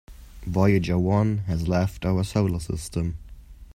Voyager One has left our solar system.